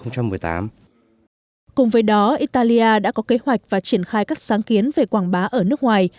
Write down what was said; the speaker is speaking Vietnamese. cùng với đó italia đã có kế hoạch và triển khai các sáng kiến về quảng bá ở nước ngoài